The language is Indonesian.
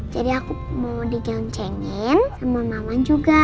jadi aku mau digoncengin sama maman juga